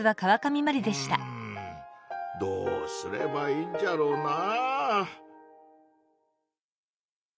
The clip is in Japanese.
うんどうすればいいんじゃろうなぁ。